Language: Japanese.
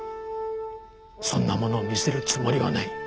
そんなものを見せるつもりはない。